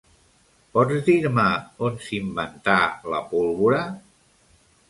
Pots dir-me on s'inventà la pólvora?